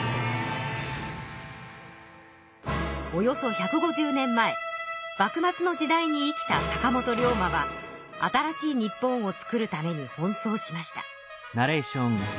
およそ１５０年前幕末の時代に生きた坂本龍馬は新しい日本をつくるためにほん走しました。